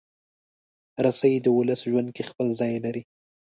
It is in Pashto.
رسۍ د ولس ژوند کې خپل ځای لري.